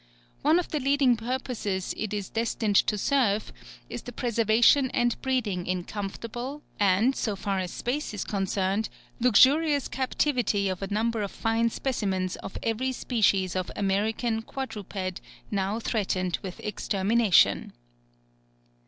One of the leading purposes it is destined to serve is the preservation and breeding in comfortable, and so far as space is concerned, luxurious captivity of a number of fine specimens of every species of American quadruped now threatened with extermination.